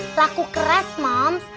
laku keras mam